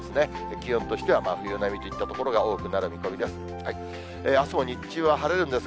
気温としては真冬並みといった所が多くなる見込みです。